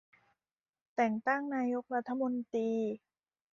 แต่งตั้งนายกรัฐมนตรี